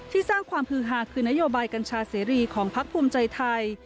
สร้างความฮือฮาคือนโยบายกัญชาเสรีของพักภูมิใจไทย